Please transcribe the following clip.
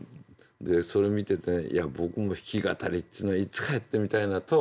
それ見てていや僕も弾き語りっていうのいつかやってみたいなとは思ってました。